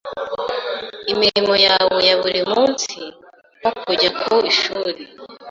imirimo yawe ya buri munsi, nko kujya ku ishuri.